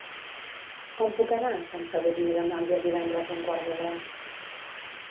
Com puc anar a Sant Sadurní d'Anoia divendres a un quart de deu?